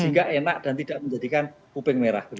sehingga enak dan tidak menjadikan pupeng merah